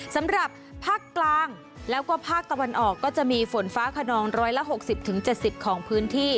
สำหรับภาคกลางแล้วก็ภาคตะวันออกก็จะมีฝนฟ้าขนอง๑๖๐๗๐ของพื้นที่